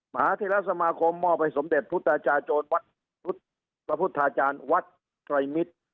มหาเทราสมาคมมอบให้สมเด็จพุทธาจาโจรวัดพระพุทธาจารย์วัดไตรมิตร